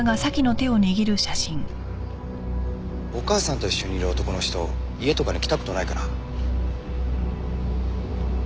お母さんと一緒にいる男の人家とかに来た事ないかな？